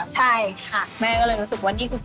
ใช่ค่ะแม่ก็เลยรู้สึกว่านี่คือ